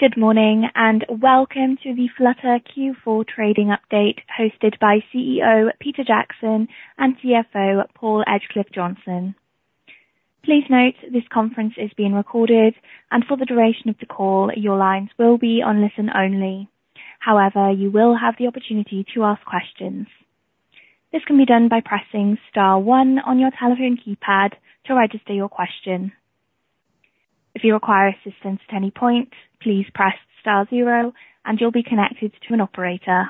Good morning, and welcome to the Flutter Q4 trading update, hosted by CEO Peter Jackson and CFO Paul Edgecliffe-Johnson. Please note, this conference is being recorded, and for the duration of the call, your lines will be on listen only. However, you will have the opportunity to ask questions. This can be done by pressing star one on your telephone keypad to register your question. If you require assistance at any point, please press star zero, and you'll be connected to an operator.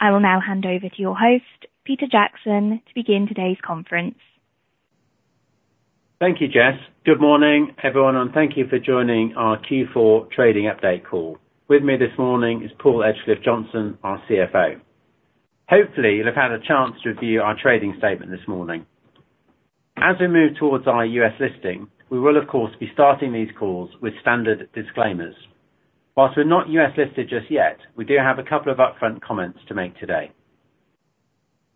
I will now hand over to your host, Peter Jackson, to begin today's conference. Thank you, Jess. Good morning, everyone, and thank you for joining our Q4 trading update call. With me this morning is Paul Edgecliffe-Johnson, our CFO. Hopefully, you'll have had a chance to review our trading statement this morning. As we move towards our U.S. listing, we will, of course, be starting these calls with standard disclaimers. While we're not U.S. listed just yet, we do have a couple of upfront comments to make today.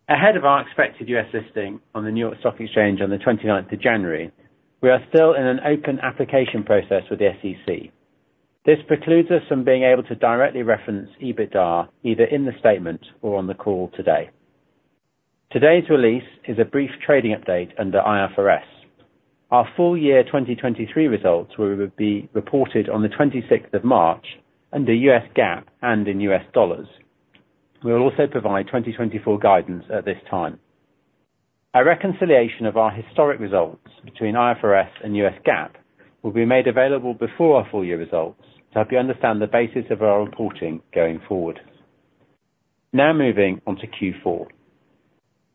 Ahead of our expected U.S. listing on the New York Stock Exchange on the 29th of January, we are still in an open application process with the SEC. This precludes us from being able to directly reference EBITDA, either in the statement or on the call today. Today's release is a brief trading update under IFRS. Our full year 2023 results will be reported on 26 of March under U.S. GAAP and in U.S. dollars. We'll also provide 2024 guidance at this time. Our reconciliation of our historic results between IFRS and U.S. GAAP will be made available before our full year results, to help you understand the basis of our reporting going forward. Now, moving on to Q4.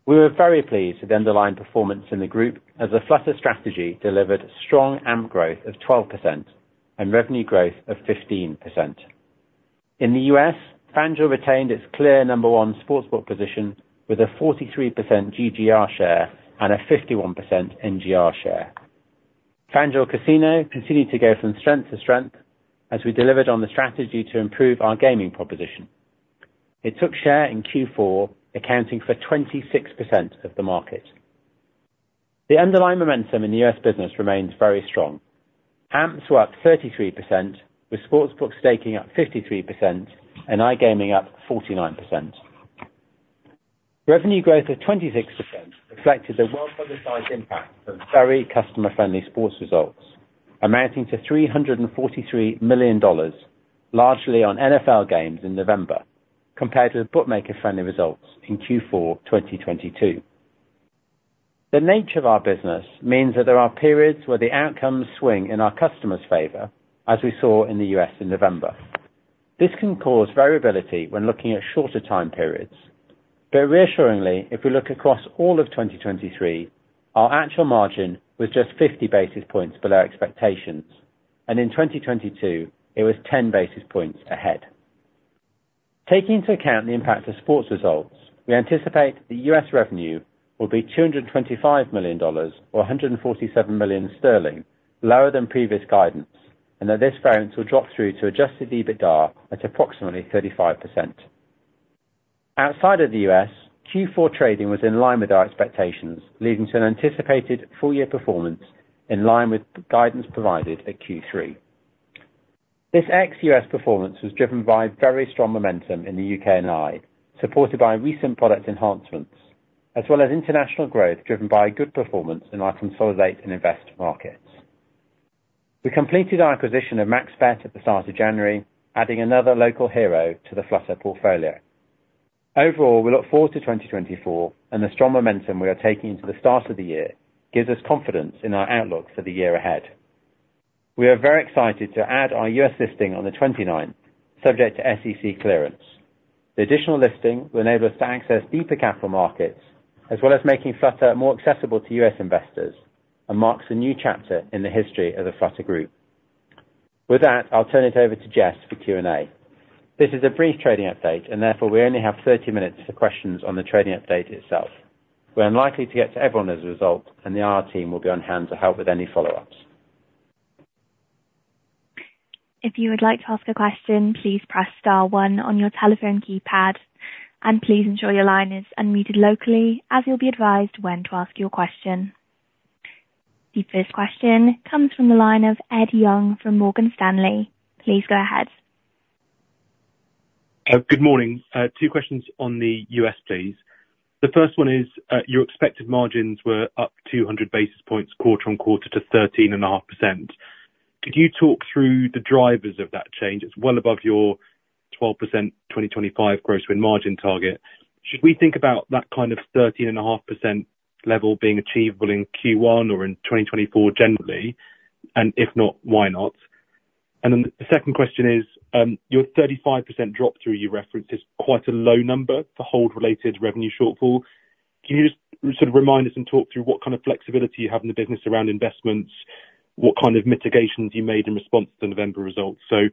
We were very pleased with the underlying performance in the group, as the Flutter strategy delivered strong AMP growth of 12% and revenue growth of 15%. In the U.S., FanDuel retained its clear number one sportsbook position with a 43% GGR share and a 51% NGR share. FanDuel Casino continued to go from strength to strength as we delivered on the strategy to improve our gaming proposition. It took share in Q4, accounting for 26% of the market. The underlying momentum in the U.S. business remains very strong. AMPs were up 33%, with sportsbook staking up 53% and iGaming up 49%. Revenue growth of 26% reflected the well-publicized impact of very customer-friendly sports results, amounting to $343 million, largely on NFL games in November, compared to the bookmaker-friendly results in Q4 of 2022. The nature of our business means that there are periods where the outcomes swing in our customers' favor, as we saw in the U.S. in November. This can cause variability when looking at shorter time periods. But reassuringly, if we look across all of 2023, our actual margin was just 50 basis points below expectations, and in 2022, it was 10 basis points ahead. Taking into account the impact of sports results, we anticipate the U.S. revenue will be $225 million, or 147 million sterling, lower than previous guidance, and that this variance will drop through to adjusted EBITDA at approximately 35%. Outside of the U.S., Q4 trading was in line with our expectations, leading to an anticipated full year performance in line with the guidance provided at Q3. This ex-U.S. performance was driven by very strong momentum in the U.K. and Ireland, supported by recent product enhancements, as well as international growth, driven by good performance in our consolidate and invest markets. We completed our acquisition of MaxBet at the start of January, adding another local hero to the Flutter portfolio. Overall, we look forward to 2024, and the strong momentum we are taking to the start of the year gives us confidence in our outlook for the year ahead. We are very excited to add our U.S. listing on the 29th, subject to SEC clearance. The additional listing will enable us to access deeper capital markets, as well as making Flutter more accessible to U.S. investors, and marks a new chapter in the history of the Flutter Group. With that, I'll turn it over to Jess for Q&A. This is a brief trading update, and therefore, we only have 30 minutes for questions on the trading update itself. We're unlikely to get to everyone as a result, and the IR team will be on hand to help with any follow-ups. If you would like to ask a question, please press star one on your telephone keypad, and please ensure your line is unmuted locally, as you'll be advised when to ask your question. The first question comes from the line of Ed Young from Morgan Stanley. Please go ahead. Good morning. Two questions on the U.S., please. The first one is, your expected margins were up 200 basis points, quarter-on-quarter to 13.5%. Could you talk through the drivers of that change? It's well above your 12% 2025 gross win margin target. Should we think about that kind of 13.5% level being achievable in Q1 or in 2024 generally? And if not, why not? And then the second question is, your 35% drop through you referenced is quite a low number for hold-related revenue shortfall. Can you just sort of remind us and talk through what kind of flexibility you have in the business around investments? What kind of mitigations you made in response to the November results? So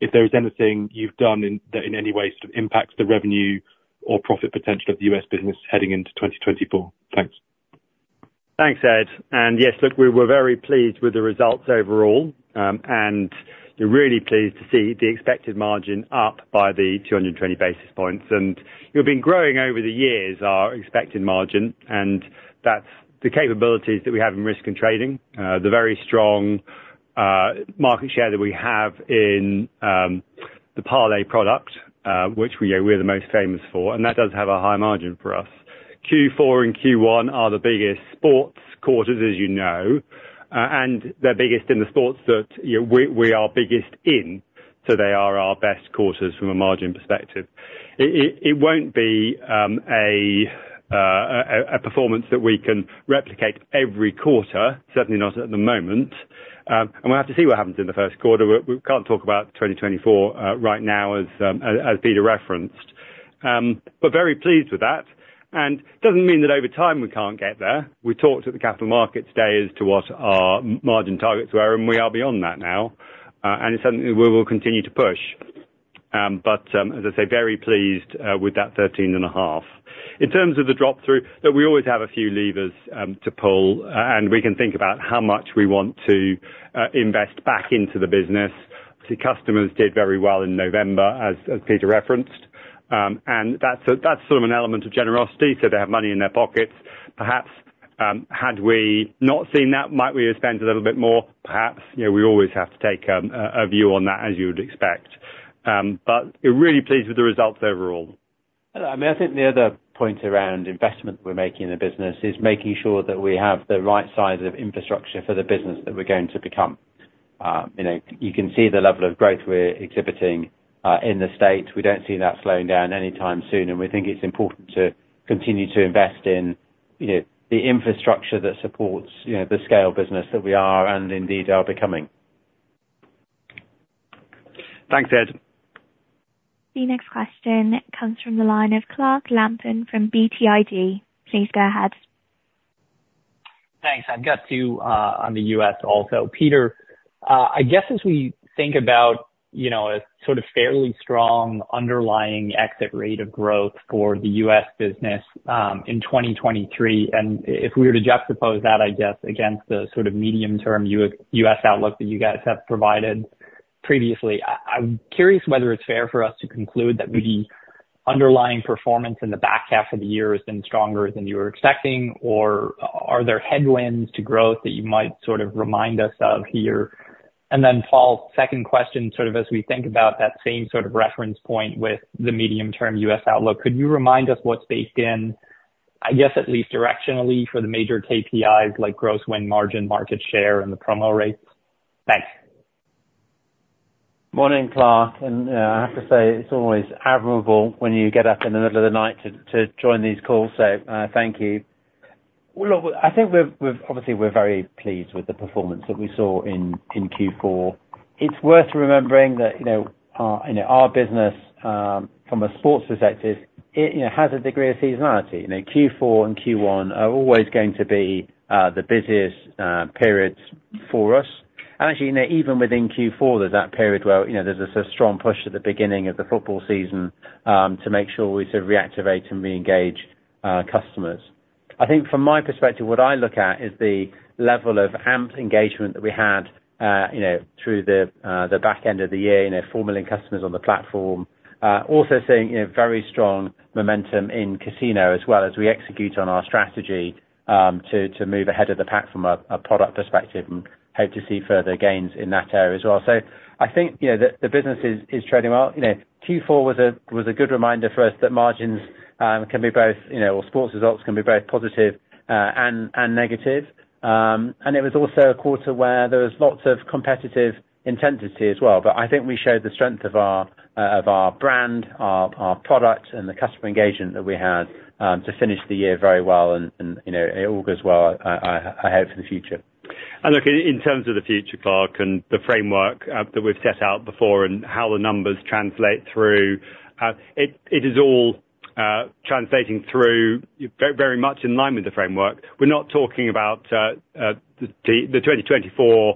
if there is anything you've done that in any way sort of impacts the revenue or profit potential of the U.S. business heading into 2024. Thanks. Thanks, Ed. And yes, look, we were very pleased with the results overall. And we're really pleased to see the expected margin up by 220 basis points. And we've been growing over the years, our expected margin, and that's the capabilities that we have in risk and trading, the very strong market share that we have in,... the parlay product, which we are, we're the most famous for, and that does have a high margin for us. Q4 and Q1 are the biggest sports quarters, as you know, and they're biggest in the sports that, you know, we are biggest in, so they are our best quarters from a margin perspective. It won't be a performance that we can replicate every quarter, certainly not at the moment. And we'll have to see what happens in the first quarter. We can't talk about 2024, right now, as Peter referenced. But very pleased with that, and doesn't mean that over time, we can't get there. We talked at the Capital Markets Day as to what our margin targets were, and we are beyond that now. And it's something we will continue to push. But, as I say, very pleased with that 13.5. In terms of the drop-through, we always have a few levers to pull, and we can think about how much we want to invest back into the business. The customers did very well in November, as Peter referenced. And that's sort of an element of generosity, so they have money in their pockets. Perhaps, had we not seen that, might we have spent a little bit more? Perhaps, you know, we always have to take a view on that, as you would expect. But we're really pleased with the results overall. And I mean, I think the other point around investment we're making in the business, is making sure that we have the right size of infrastructure for the business that we're going to become. You know, you can see the level of growth we're exhibiting in the States. We don't see that slowing down anytime soon, and we think it's important to continue to invest in, you know, the infrastructure that supports, you know, the scale business that we are, and indeed are becoming. Thanks, Ed. The next question comes from the line of Clark Lampen from BTIG. Please go ahead. Thanks. I've got two on the U.S. also. Peter, I guess as we think about, you know, a sort of fairly strong underlying exit rate of growth for the U.S. business, in 2023, and if we were to juxtapose that, I guess, against the sort of medium-term U.S. outlook that you guys have provided previously, I'm curious whether it's fair for us to conclude that the underlying performance in the back half of the year has been stronger than you were expecting, or are there headwinds to growth that you might sort of remind us of here? And then, Paul, second question, sort of as we think about that same sort of reference point with the medium-term U.S. outlook, could you remind us what's baked in, I guess, at least directionally for the major KPIs, like gross win margin, market share, and the promo rates? Thanks. Morning, Clark, and I have to say, it's always admirable when you get up in the middle of the night to join these calls. So, thank you. Well, look, I think we've obviously, we're very pleased with the performance that we saw in Q4. It's worth remembering that, you know, our business from a sports perspective, you know, has a degree of seasonality. You know, Q4 and Q1 are always going to be the busiest periods for us. And actually, you know, even within Q4, there's that period where, you know, there's a strong push at the beginning of the football season to make sure we sort of reactivate and re-engage customers. I think from my perspective, what I look at is the level of AMP engagement that we had, you know, through the back end of the year, you know, 4 million customers on the platform. Also seeing, you know, very strong momentum in casino as well, as we execute on our strategy, to move ahead of the pack from a product perspective, and hope to see further gains in that area as well. So I think, you know, the business is trading well. You know, Q4 was a good reminder for us that margins can be both, you know, or sports results can be both positive, and negative. It was also a quarter where there was lots of competitive intensity as well, but I think we showed the strength of our brand, our product, and the customer engagement that we had to finish the year very well. You know, it all goes well ahead for the future. And look, in terms of the future, Clark, and the framework that we've set out before, and how the numbers translate through, it is all translating through very, very much in line with the framework. We're not talking about the 2024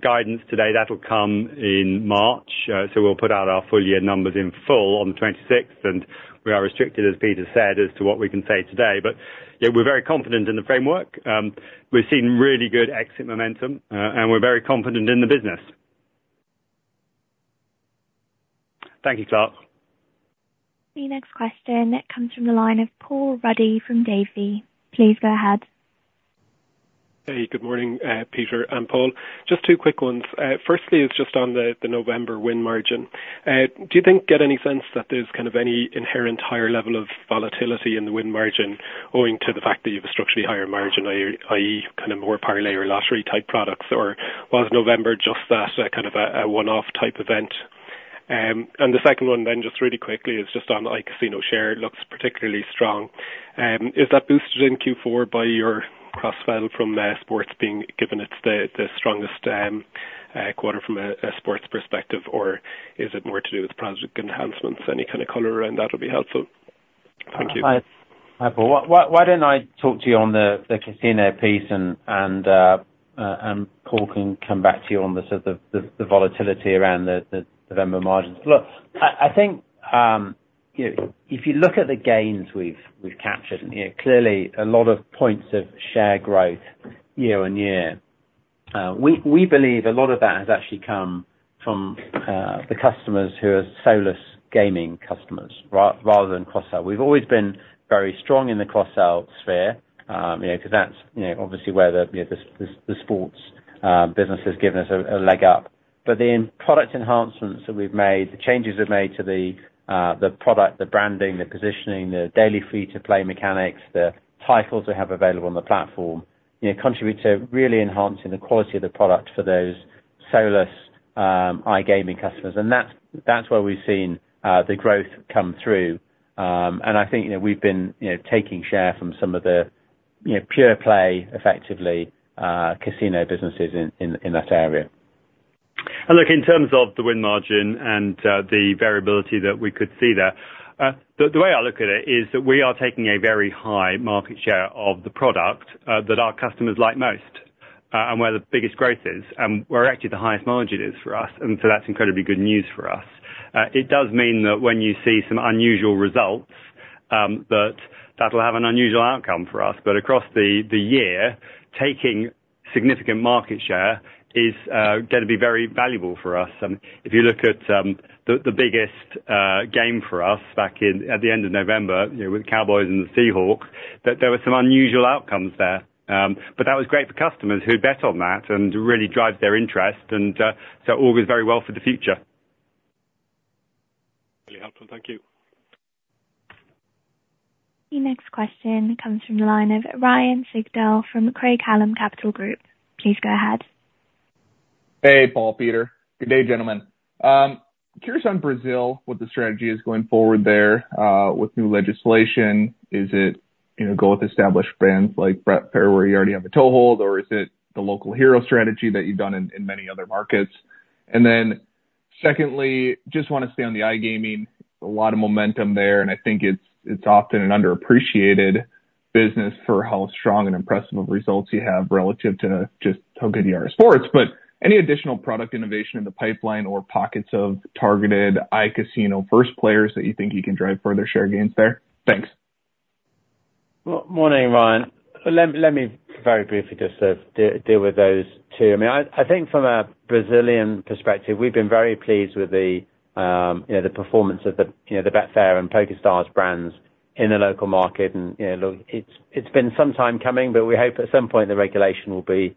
guidance today. That'll come in March, so we'll put out our full year numbers in full on the 26th, and we are restricted, as Peter said, as to what we can say today. But yeah, we're very confident in the framework. We've seen really good exit momentum, and we're very confident in the business. Thank you, Clark. The next question comes from the line of Paul Ruddy from Davy. Please go ahead. Hey, good morning, Peter and Paul. Just two quick ones. Firstly, it's just on the November win margin. Do you think, get any sense that there's kind of any inherent higher level of volatility in the win margin, owing to the fact that you have a structurally higher margin, i.e., i.e., kind of more parlay or lottery-type products? Or was November just that, kind of a one-off type event? And the second one then, just really quickly, is just on iCasino share. It looks particularly strong. Is that boosted in Q4 by your cross-sell from sports being... Given it's the strongest quarter from a sports perspective, or is it more to do with product enhancements? Any kind of color around that will be helpful. Thank you. Hi, Paul. Why don't I talk to you on the casino piece and Paul can come back to you on the volatility around the November margins? Look, I think, you know, if you look at the gains we've captured, you know, clearly a lot of points of share growth year-over-year, we believe a lot of that has actually come from the customers who are solely gaming customers, rather than cross-sell. We've always been very strong in the cross-sell sphere, you know, 'cause that's, you know, obviously where the sports business has given us a leg up. But the product enhancements that we've made, the changes we've made to the, the product, the branding, the positioning, the daily free-to-play mechanics, the titles we have available on the platform, you know, contribute to really enhancing the quality of the product for those soloists, iGaming customers. And that's, that's where we've seen, the growth come through. And I think, you know, we've been, you know, taking share from some of the, you know, pure play, effectively, casino businesses in, in, in that area. And look, in terms of the win margin and the variability that we could see there, the way I look at it is that we are taking a very high market share of the product that our customers like most, and where the biggest growth is, and where actually the highest margin is for us, and so that's incredibly good news for us. It does mean that when you see some unusual results, that that'll have an unusual outcome for us. But across the year, taking significant market share is gonna be very valuable for us. If you look at the biggest game for us back in at the end of November, you know, with the Cowboys and the Seahawks, that there were some unusual outcomes there. But that was great for customers who bet on that and really drives their interest, and so all goes very well for the future. Really helpful. Thank you. The next question comes from the line of Ryan Sigdahl from Craig-Hallum Capital Group. Please go ahead. Hey, Paul, Peter. Good day, gentlemen. Curious on Brazil, what the strategy is going forward there, with new legislation. Is it, you know, go with established brands like Betfair, where you already have a toehold, or is it the local hero strategy that you've done in many other markets? And then, secondly, just want to stay on the iGaming. A lot of momentum there, and I think it's often an underappreciated business for how strong and impressive of results you have, relative to just how good you are at sports. But any additional product innovation in the pipeline or pockets of targeted iCasino first players, that you think you can drive further share gains there? Thanks. Well, morning, Ryan. Let me very briefly just deal with those two. I mean, I think from a Brazilian perspective, we've been very pleased with the, you know, the performance of the, you know, the Betfair and PokerStars brands in the local market, and, you know, look, it's been some time coming, but we hope at some point the regulation will be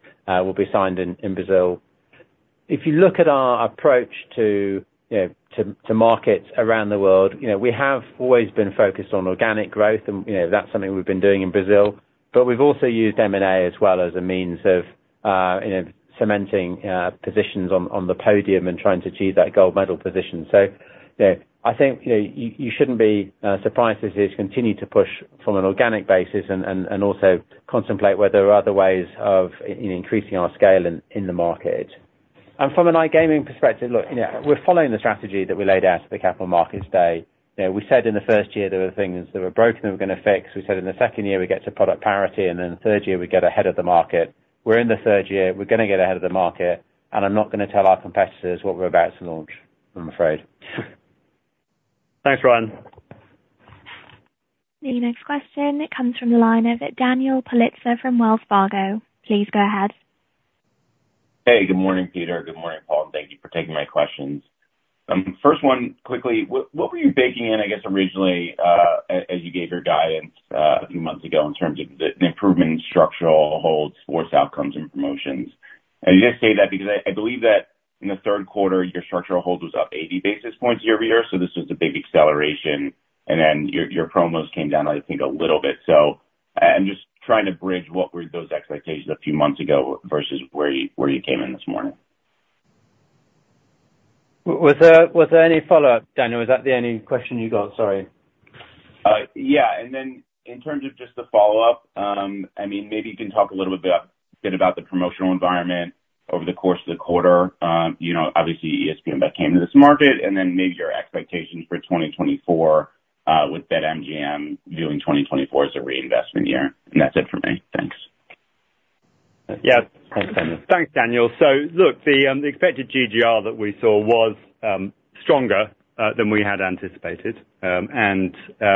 signed in, in Brazil. If you look at our approach to, you know, to markets around the world, you know, we have always been focused on organic growth and, you know, that's something we've been doing in Brazil, but we've also used M&A as well as a means of, you know, cementing positions on, on the podium and trying to achieve that gold medal position. So, you know, I think, you know, you shouldn't be surprised as we continue to push from an organic basis and also contemplate whether there are other ways of increasing our scale in the market. And from an iGaming perspective, look, you know, we're following the strategy that we laid out at the Capital Markets Day. You know, we said in the first year there were things that were broken that we're gonna fix. We said in the second year, we get to product parity, and then the third year, we get ahead of the market. We're in the third year, we're gonna get ahead of the market, and I'm not gonna tell our competitors what we're about to launch, I'm afraid. Thanks, Ryan. The next question comes from the line of Daniel Politzer from Wells Fargo. Please go ahead. Hey, good morning, Peter. Good morning, Paul. Thank you for taking my questions. First one, quickly, what were you baking in, I guess, originally, as you gave your guidance, a few months ago, in terms of the improvement in structural holds, worse outcomes and promotions? And I just say that because I believe that in the third quarter, your structural hold was up 80 basis points year-over-year, so this was a big acceleration, and then your promos came down, I think, a little bit. So, I'm just trying to bridge what were those expectations a few months ago, versus where you came in this morning? Was there, was there any follow-up, Daniel? Is that the only question you got? Sorry. Yeah. Then in terms of just the follow-up, I mean, maybe you can talk a little bit about the promotional environment over the course of the quarter. You know, obviously, ESPN Bet came to this market, and then maybe your expectations for 2024, with BetMGM viewing 2024 as a reinvestment year. That's it for me. Thanks. Yeah. Thanks, Daniel. Thanks, Daniel. So look, the expected GGR that we saw was stronger than we had anticipated, and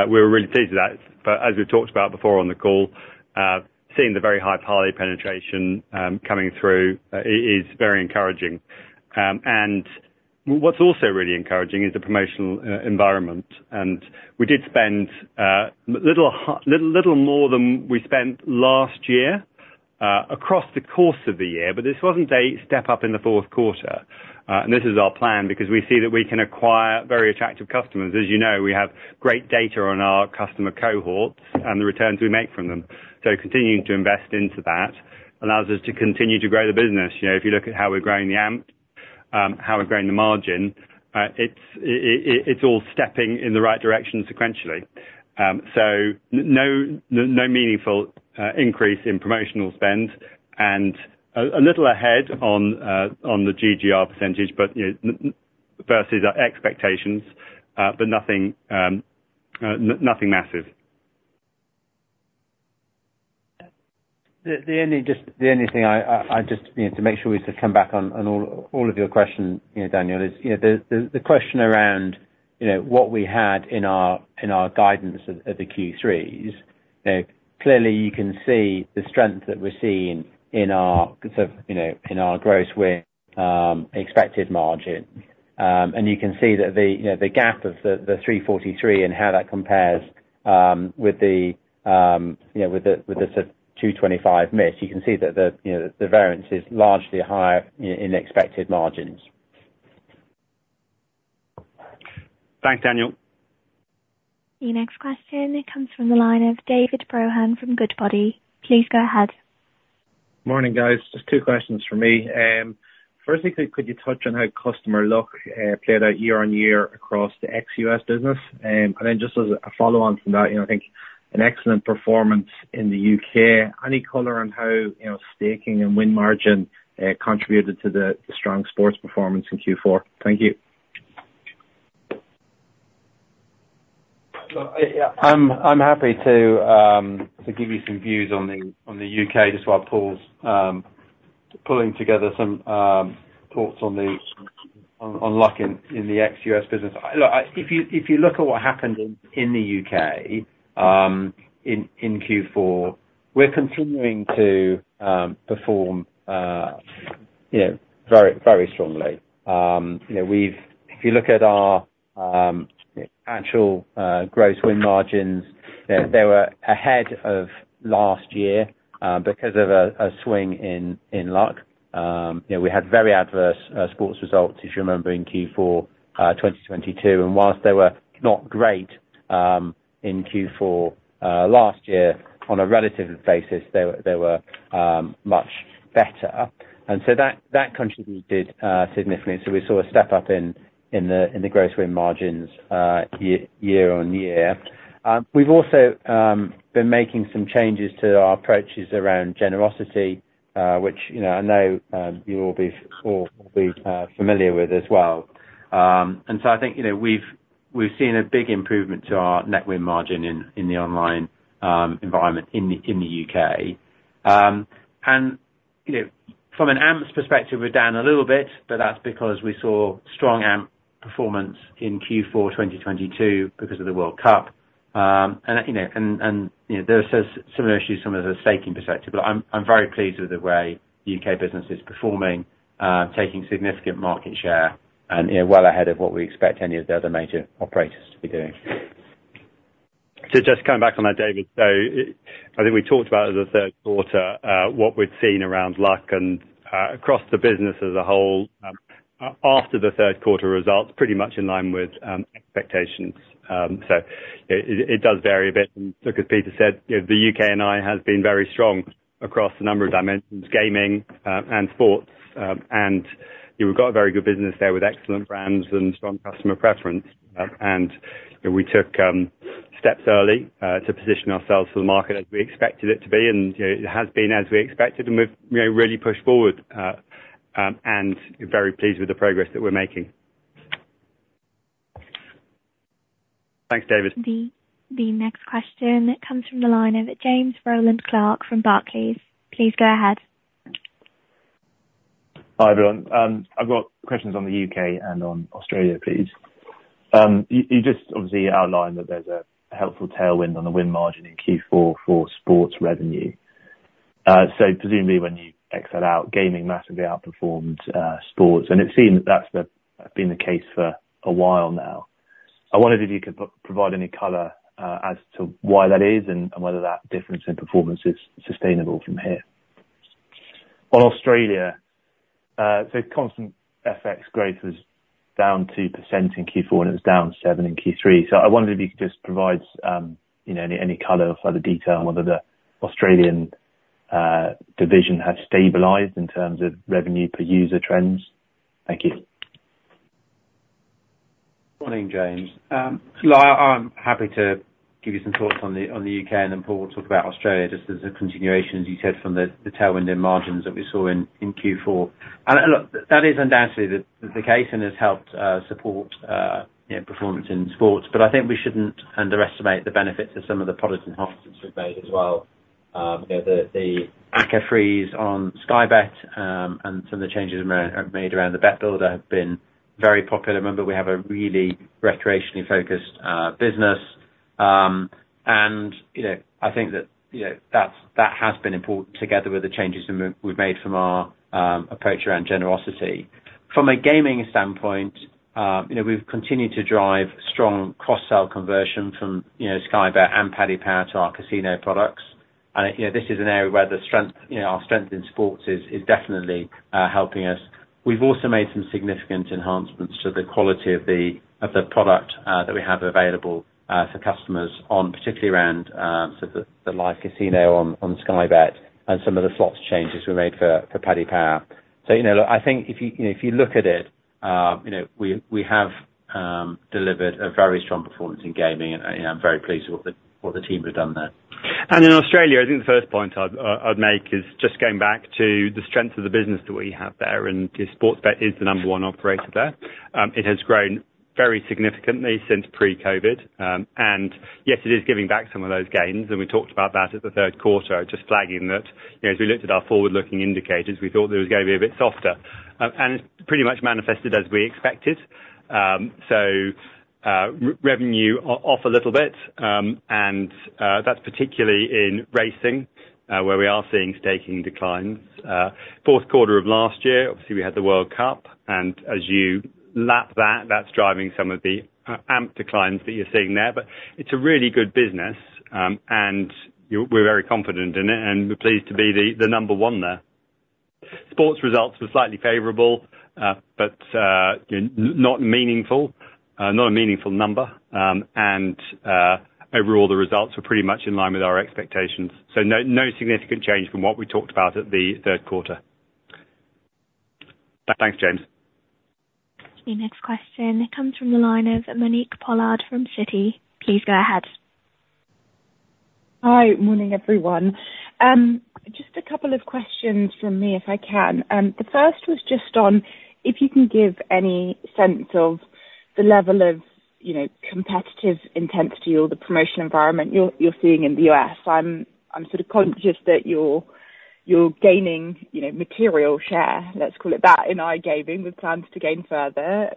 we were really pleased with that. But as we talked about before on the call, seeing the very high parlay penetration coming through is very encouraging. And what's also really encouraging is the promotional environment. And we did spend a little more than we spent last year across the course of the year, but this wasn't a step up in the fourth quarter. And this is our plan, because we see that we can acquire very attractive customers. As you know, we have great data on our customer cohorts and the returns we make from them. So continuing to invest into that allows us to continue to grow the business. You know, if you look at how we're growing the AMP, how we're growing the margin, it's all stepping in the right direction sequentially. So no meaningful increase in promotional spend, and a little ahead on the GGR percentage, but, you know, versus our expectations, but nothing massive. The only thing I just, you know, to make sure we sort of come back on all of your questions, you know, Daniel, is, you know, the question around, you know, what we had in our guidance at the Q3s. You know, clearly you can see the strength that we're seeing in our, sort of, you know, in our gross win expected margin. And you can see that the, you know, the gap of the $343 million and how that compares with the, you know, with the $225 million. You can see that the, you know, the variance is largely higher in expected margins. Thanks, Daniel. The next question comes from the line of David Brohan from Goodbody. Please go ahead. Morning, guys. Just two questions for me. Firstly, could you touch on how customer luck played out year on year across the ex-U.S. business? And then just as a follow on from that, you know, I think an excellent performance in the U.K. Any color on how, you know, staking and win margin contributed to the strong sports performance in Q4? Thank you. Well, yeah, I'm happy to give you some views on the U.K., just while Paul's pulling together some thoughts on the luck in the ex-U.S. business. Look, I... If you look at what happened in the U.K. in Q4, we're continuing to perform, you know, very, very strongly. You know, we've—if you look at our actual gross win margins, they were ahead of last year because of a swing in luck. You know, we had very adverse sports results, if you remember, in Q4 2022, and whilst they were not great in Q4 last year, on a relative basis, they were much better. And so that contributed significantly. So we saw a step up in the gross win margins year-over-year. We've also been making some changes to our approaches around generosity, which, you know, I know, you will all be familiar with as well. And so I think, you know, we've seen a big improvement to our net win margin in the online environment in the U.K. And, you know, from an AMPs perspective, we're down a little bit, but that's because we saw strong AMP performance in Q4 2022 because of the World Cup. There are similar issues from the staking perspective, but I'm very pleased with the way the U.K. business is performing, taking significant market share and, you know, well ahead of what we expect any of the other major operators to be doing. So just coming back on that, David, so I think we talked about the third quarter, what we'd seen around luck and across the business as a whole, after the third quarter results, pretty much in line with expectations. So it does vary a bit, and like as Peter said, you know, the U.K. and Ireland has been very strong across a number of dimensions, gaming and sports, and you've got a very good business there with excellent brands and strong customer preference. And we took steps early to position ourselves for the market as we expected it to be, and you know, it has been as we expected, and we've you know, really pushed forward, and we're very pleased with the progress that we're making. Thanks, David. The next question comes from the line of James Rowland Clark from Barclays. Please go ahead. Hi, everyone. I've got questions on the U.K. and on Australia, please. You just obviously outlined that there's a helpful tailwind on the win margin in Q4 for sports revenue. So presumably when you excel out, gaming massively outperformed sports, and it seems that's been the case for a while now. I wondered if you could provide any color as to why that is, and whether that difference in performance is sustainable from here. On Australia, so constant FX growth was down 2% in Q4, and it was down 7% in Q3. So I wondered if you could just provide you know any color or further detail on whether the Australian division has stabilized in terms of revenue per user trends. Thank you. Morning, James. So look, I'm happy to give you some thoughts on the U.K., and then Paul will talk about Australia, just as a continuation, as you said, from the tailwind in margins that we saw in Q4. And look, that is undoubtedly the case and has helped support, you know, performance in sports. But I think we shouldn't underestimate the benefits of some of the product enhancements we've made as well. You know, the AccaFreeze on Sky Bet, and some of the changes made around the Bet Builder have been very popular. Remember, we have a really recreationally focused business. And you know, I think that, you know, that has been important, together with the changes that we've made from our approach around generosity. From a gaming standpoint, you know, we've continued to drive strong cross-sell conversion from, you know, Sky Bet and Paddy Power to our casino products. And, you know, this is an area where the strength, you know, our strength in sports is definitely helping us. We've also made some significant enhancements to the quality of the product that we have available for customers, particularly around the live casino on Sky Bet and some of the slots changes we made for Paddy Power. So, you know, look, I think if you look at it, you know, we have delivered a very strong performance in gaming, and, you know, I'm very pleased with what the team have done there. In Australia, I think the first point I'd make is just going back to the strength of the business that we have there, and Sportsbet is the number one operator there. It has grown very significantly since pre-COVID, and yes, it is giving back some of those gains, and we talked about that at the third quarter, just flagging that, you know, as we looked at our forward-looking indicators, we thought it was going to be a bit softer, and it's pretty much manifested as we expected. So, revenue off a little bit, and that's particularly in racing, where we are seeing staking declines. Fourth quarter of last year, obviously, we had the World Cup, and as you lap that, that's driving some of the AMP declines that you're seeing there. But it's a really good business, and we're very confident in it, and we're pleased to be the, the number one there.... Sports results were slightly favorable, but not meaningful, not a meaningful number. And overall, the results were pretty much in line with our expectations. So no, no significant change from what we talked about at the third quarter. Thanks, James. The next question comes from the line of Monique Pollard from Citi. Please go ahead. Hi. Morning, everyone. Just a couple of questions from me, if I can. The first was just on, if you can give any sense of the level of, you know, competitive intensity or the promotional environment you're seeing in the U.S. I'm sort of conscious that you're gaining, you know, material share, let's call it that, in iGaming, with plans to gain further,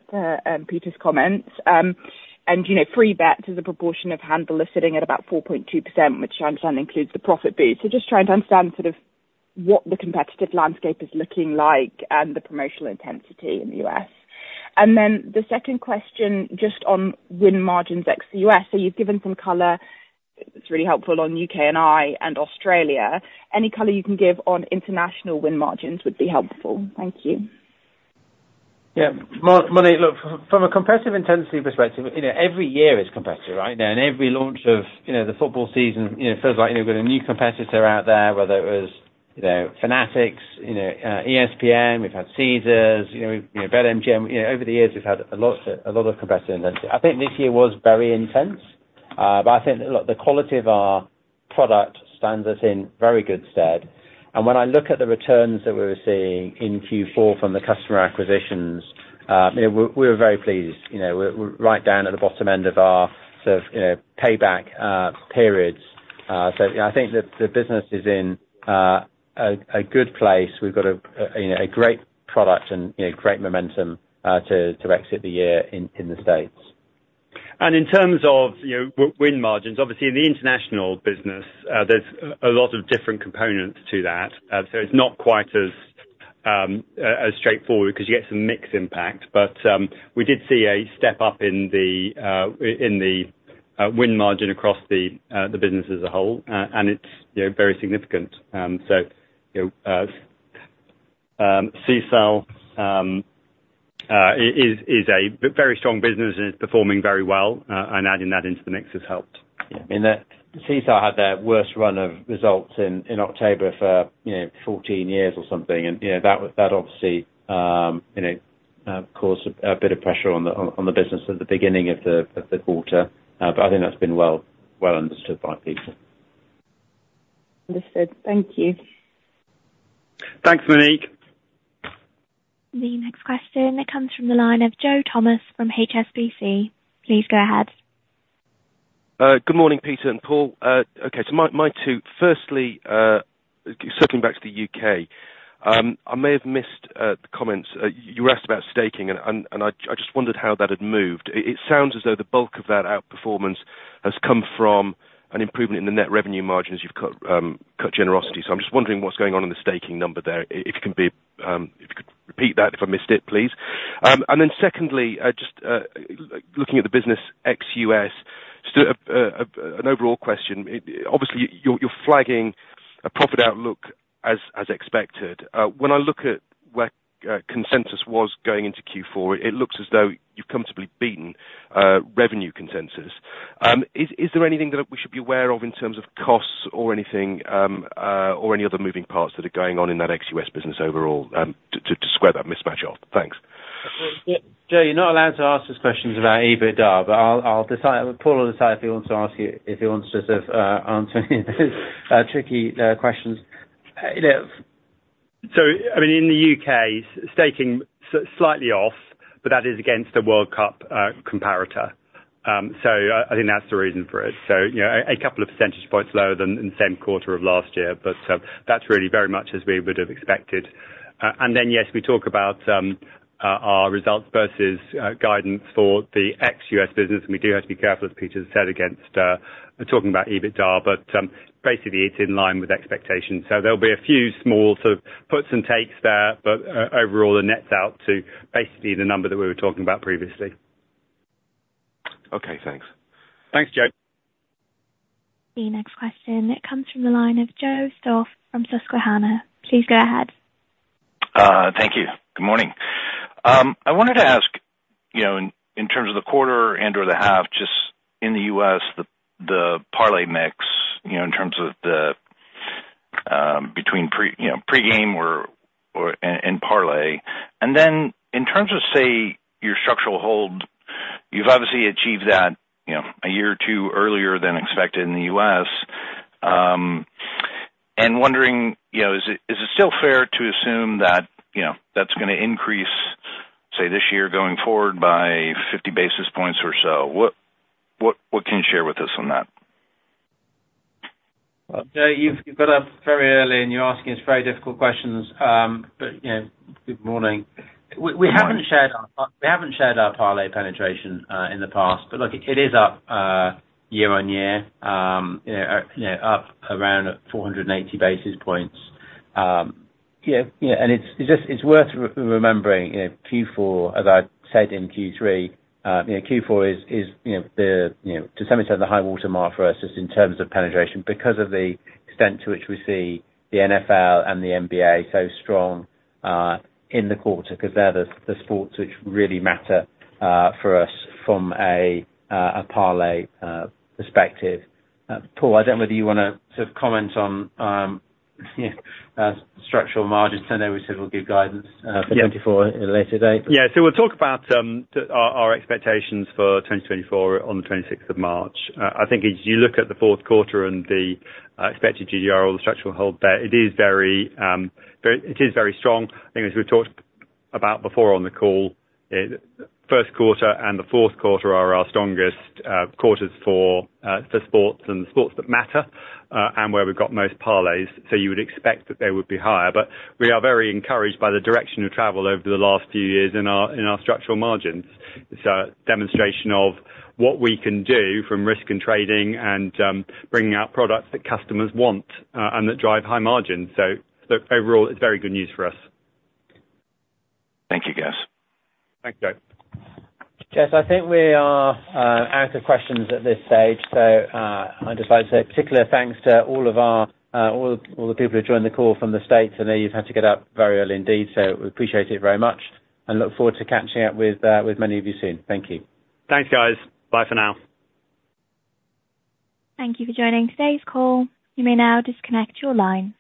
Peter's comments. And, you know, free bets as a proportion of handle are sitting at about 4.2%, which I understand includes the profit boost. So just trying to understand sort of what the competitive landscape is looking like and the promotional intensity in the U.S. And then the second question, just on win margins ex-U.S. So you've given some color, it's really helpful on U.K. and Ireland and Australia. Any color you can give on international win margins would be helpful. Thank you. Yeah. Well, Monique, look, from a competitive intensity perspective, you know, every year is competitive, right? And every launch of, you know, the football season, you know, feels like, you know, we've got a new competitor out there, whether it was, you know, Fanatics, you know, ESPN, we've had Caesars, you know, we've, you know, BetMGM. You know, over the years, we've had a lot of, a lot of competitive intensity. I think this year was very intense, but I think, look, the quality of our product stands us in very good stead. And when I look at the returns that we were seeing in Q4 from the customer acquisitions, you know, we're, we were very pleased. You know, we're, we're right down at the bottom end of our sort of, you know, payback periods. So, yeah, I think the business is in a good place. We've got a, you know, a great product and, you know, great momentum to exit the year in the States. In terms of, you know, win margins, obviously in the international business, there's a lot of different components to that. So it's not quite as straightforward, because you get some mix impact. But we did see a step up in the win margin across the business as a whole, and it's, you know, very significant. So, you know, Sisal is a very strong business and is performing very well, and adding that into the mix has helped. Yeah, and Sisal had their worst run of results in October for, you know, 14 years or something. And, you know, that obviously caused a bit of pressure on the business at the beginning of the quarter, but I think that's been well understood by people. Understood. Thank you. Thanks, Monique. The next question comes from the line of Joe Thomas from HSBC. Please go ahead. Good morning, Peter and Paul. Okay, so my two... firstly, circling back to the U.K., I may have missed the comments. You were asked about staking, and I just wondered how that had moved. It sounds as though the bulk of that outperformance has come from an improvement in the net revenue margin as you've cut generosity. So I'm just wondering what's going on in the staking number there, if you could repeat that, if I missed it, please. And then secondly, just looking at the business ex-U.S., an overall question. Obviously, you're flagging a profit outlook as expected. When I look at where consensus was going into Q4, it looks as though you've comfortably beaten revenue consensus. Is there anything that we should be aware of in terms of costs or anything, or any other moving parts that are going on in that ex-U.S. business overall, to square that mismatch off? Thanks. Well, Joe, you're not allowed to ask us questions about EBITDA, but I'll, I'll decide—Paul will decide if he wants to ask you—if he wants to sort of answer any tricky questions. You know, so, I mean, in the U.K., staking slightly off, but that is against a World Cup comparator. So I think that's the reason for it. So, you know, a couple of percentage points lower than the same quarter of last year, but that's really very much as we would have expected. And then, yes, we talk about our results versus guidance for the ex-U.S. business, and we do have to be careful, as Peter said, against talking about EBITDA. But basically, it's in line with expectations. So there'll be a few small sort of puts and takes there, but overall, the net's out to basically the number that we were talking about previously. Okay, thanks. Thanks, Joe. The next question comes from the line of Joe Stauff from Susquehanna. Please go ahead. Thank you. Good morning. I wanted to ask, you know, in terms of the quarter and/or the half, just in the U.S., the parlay mix, you know, in terms of the between pre-game and parlay. And then in terms of, say, your structural hold, you've obviously achieved that, you know, a year or two earlier than expected in the U.S. And wondering, you know, is it still fair to assume that, you know, that's gonna increase, say, this year going forward by 50 basis points or so? What can you share with us on that? Well, Joe, you've got up very early, and you're asking us very difficult questions. But, you know, good morning. We haven't shared our parlay penetration in the past, but look, it is up year on year, you know, up around 480 basis points. Yeah, yeah, and it's just it's worth remembering, you know, Q4, as I said in Q3, you know, Q4 is, you know, to some extent, the high water mark for us, just in terms of penetration, because of the extent to which we see the NFL and the NBA so strong in the quarter, because they're the sports which really matter for us from a parlay perspective. Paul, I don't know whether you wanna sort of comment on structural margins. I know we said we'll give guidance- Yeah. for 2024 at a later date. Yeah. So we'll talk about our expectations for 2024 on 26 of March. I think as you look at the fourth quarter and the expected GGR or the structural hold there, it is very strong. I think as we talked about before on the call, first quarter and the fourth quarter are our strongest quarters for sports and sports that matter, and where we've got most parlays, so you would expect that they would be higher. But we are very encouraged by the direction of travel over the last few years in our structural margins. It's a demonstration of what we can do from risk and trading and bringing out products that customers want, and that drive high margins. So overall, it's very good news for us. Thank you, guys. Thanks, Joe. Jess, I think we are out of questions at this stage, so I'd just like to say a particular thanks to all of our the people who joined the call from the States. I know you've had to get up very early indeed, so we appreciate it very much and look forward to catching up with many of you soon. Thank you. Thanks, guys. Bye for now. Thank you for joining today's call. You may now disconnect your lines.